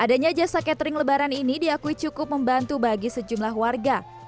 adanya jasa catering lebaran ini diakui cukup membantu bagi sejumlah warga